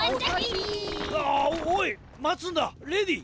ああっおいまつんだレディー！